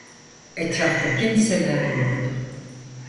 Etrafta kimseler yoktu.